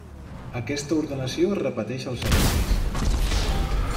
Aquesta ordenació es repeteix al segon pis.